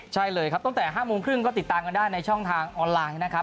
ใช่เลยครับตั้งแต่๕โมงครึ่งก็ติดตามกันได้ในช่องทางออนไลน์นะครับ